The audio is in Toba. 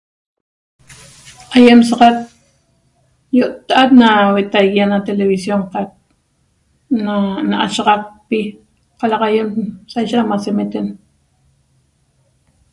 Aiem saxat iottaa na iaxat na televisión na mashiaxaqpi calaxa aiem sheishet da semeten